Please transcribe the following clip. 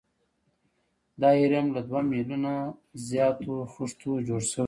دا هرم له دوه میلیونه زیاتو خښتو جوړ شوی دی.